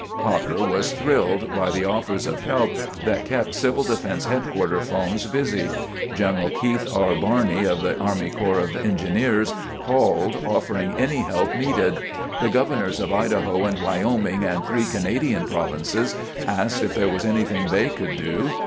Potter was thrilled by the offers of help that kept CD HQ phones busy. General Keith R. Barney of the Army Corps of Engineers called offering any help needed. The governors of Idaho and Wyoming and three Canadian provinces asked if there was anything they could do.